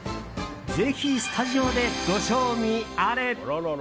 ぜひスタジオでご賞味あれ。